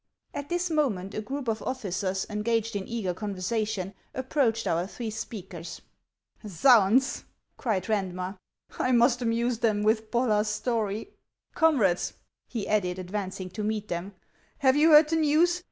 At this moment a group of officers, engaged in eager conversation, approached our three speakers. " Zounds !" cried Randmer, " I must amuse them with Bollar's story." " Comrades," he added, advancing to meet them ;" have you heard the news